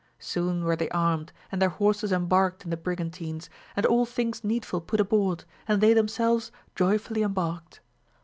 Soon were they armed, and their horses embarked in the brigantines, and aU things needful put aboard, and they themselves joyfully embarked.